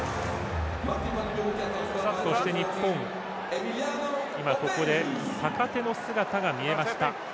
そして、日本今、ここで坂手の姿が見えました。